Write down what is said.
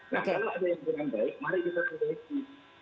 nah kalau ada yang dengan baik mari kita koleksi